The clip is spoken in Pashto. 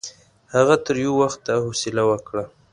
هغه تر یوه وخته حوصله وکړه.